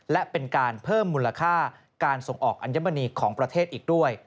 และเป็นการเพิ่มมูลค่าการส่งออกอัญมณีของประเทศอีกด้วย